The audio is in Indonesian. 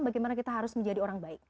bagaimana kita harus menjadi orang baik